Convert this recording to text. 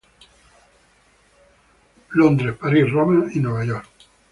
Londres, París, Roma, Nueva York.